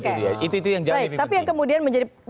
karena itu yang jadi lebih penting